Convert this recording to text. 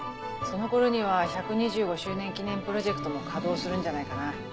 その頃には１２５周年記念プロジェクトも稼働するんじゃないかな。